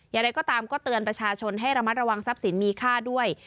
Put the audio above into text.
อย่างไรก็ตามก็เตือนประชาชนให้ระมัดระวังทรัพย์สินมีค่าด้วย